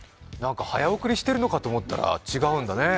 早送りしてるのかと思ったら違うんだね。